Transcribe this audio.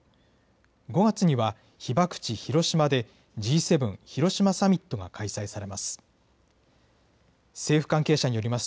５月には被爆地、広島でＧ７広島サミットが開催されます。